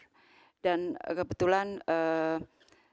ini memang sebuah tantangan yang sangat sangat besar